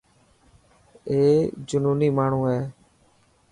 اي جنوني ماڻهو هي.